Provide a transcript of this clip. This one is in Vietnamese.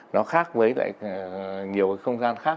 nó khác với nhiều không gian khác